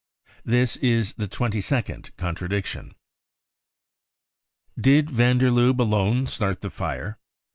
This is the twenty second contradiction. Did van der Lubbe alone start the fire?